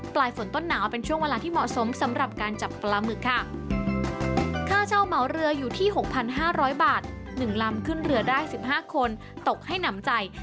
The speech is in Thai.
ปลายฝนต้นหนาวเป็นช่วงเวลาที่เหมาะสมสำหรับการจับปลาหมึกค่ะ